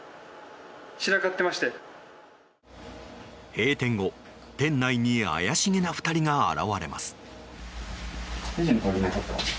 閉店後、店内に怪しげな２人が現れます。